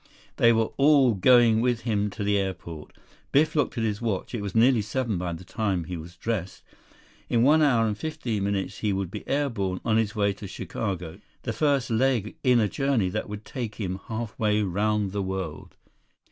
They were all going with him to the airport. Biff looked at his watch. It was nearly seven by the time he was dressed. In one hour and fifteen minutes he would be air borne, on his way to Chicago, the first leg in a journey that would take him halfway around the world.